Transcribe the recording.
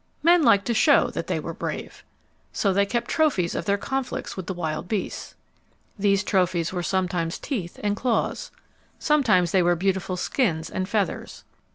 Men liked to show that they were brave. So they kept trophies of their conflicts with the wild beasts. These trophies were sometimes teeth and claws. Sometimes they were beautiful skins and feathers.